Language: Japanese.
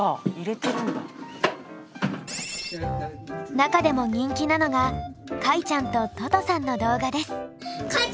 中でも人気なのがかいちゃんとととさんの動画です。